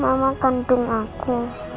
mama kandung aku